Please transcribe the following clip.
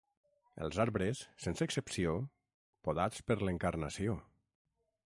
Els arbres, sense excepció, podats per l'Encarnació.